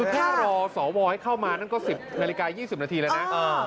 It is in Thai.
คือถ้ารอสวให้เข้ามานั่นก็๑๐นาฬิกา๒๐นาทีแล้วนะ